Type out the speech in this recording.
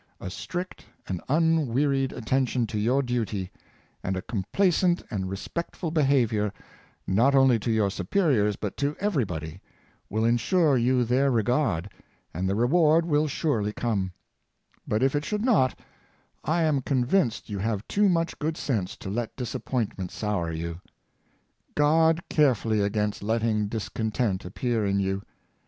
A strict and unwea ried attention to your duty, and a complacent and re spectful behavior, not only to your superiors but to everybody, will insure you their regard, and the re ward will surely come; but if it should not, I am con vinced you have too much good sense to let disappoint ment sour youo Guard carefully against letting discon tent appear in you.